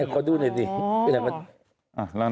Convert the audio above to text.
ลองดูนี่นะครับ